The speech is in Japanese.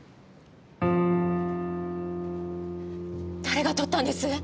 誰が撮ったんです！？